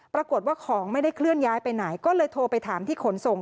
ปรากฏว่าของไม่ได้เคลื่อนย้ายไปไหนก็เลยโทรไปถามที่ขนส่ง